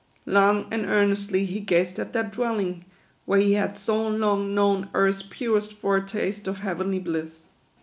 Long and earnestly he gazed at that dwelling, where he had so long known earth's purest foretaste of heavenly bliss.